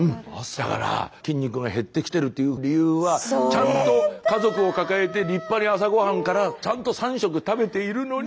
だから筋肉が減ってきてるという理由はちゃんと家族を抱えて立派に朝ごはんからちゃんと３食食べているのに。